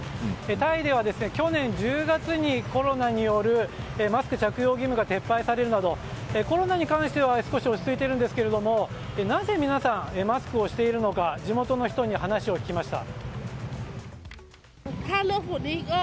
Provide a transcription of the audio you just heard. タイでは去年１０月にコロナによるマスク着用義務が撤廃されるなどコロナに関しては少し落ち着いているんですがなぜ皆さんマスクをしているのか地元の人に話を聞きました。